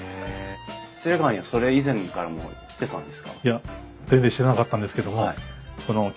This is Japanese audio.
喜連川にはそれ以前からも来てたんですか？